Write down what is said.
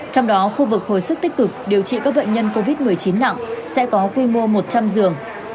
trong đó khu vực hồi sức tích cực điều trị các bệnh nhân covid một mươi chín nặng sẽ có quy mô một trăm linh giường